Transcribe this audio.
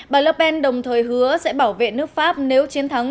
bà le pen đồng thời hứa sẽ bảo vệ nước pháp nếu chiến thắng